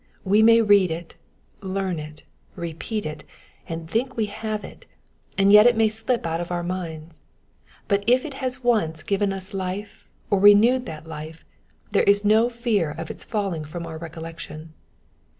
We may read it, learn it, repeat it, and think we have it, and yet it may slip out of our minds ; but if it has once given us life or renewed that life, there is no fear of its falling from our recollection.